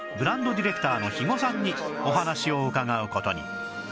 ディレクターの肥後さんにお話を伺う事に